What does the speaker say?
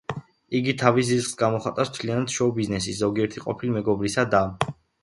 იგი თავის ზიზღს გამოხატავს მთლიანად შოუ-ბიზნესის, ზოგიერთი ყოფილი მეგობრისა და მასმედიის მიმართ.